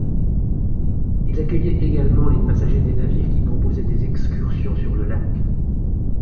Il accueillait également les passagers des navires qui proposaient des excursions sur le lac.